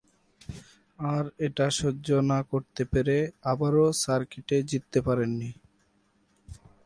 আর এটা সহ্য না করতে পেরে আবারও সার্কিটে জিততে পারেননি।